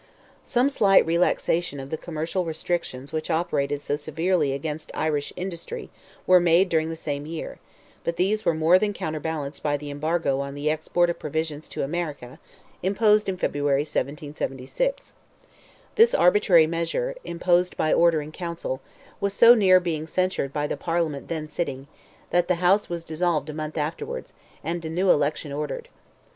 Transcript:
Some slight relaxation of the commercial restrictions which operated so severely against Irish industry were made during the same year, but these were more than counterbalanced by the embargo on the export of provisions to America, imposed in February, 1776. This arbitrary measure—imposed by order in Council—was so near being censured by the Parliament then sitting, that the House was dissolved a month afterwards, and a new election ordered.